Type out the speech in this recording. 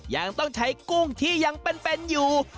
ยังต้องใช้กุ้งที่ยังเป็นอยู่